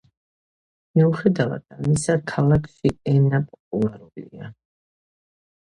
მიუხედავად ამისა, ქალაქში ენა პოპულარულია.